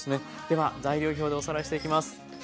では材料表でおさらいしていきます。